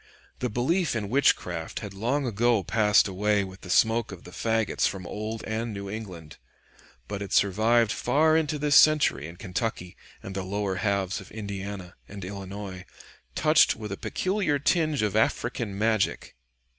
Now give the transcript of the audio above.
The belief in witchcraft had long ago passed away with the smoke of the fagots from old and New England, but it survived far into this century in Kentucky and the lower halves of Indiana and Illinois touched with a peculiar tinge of African magic.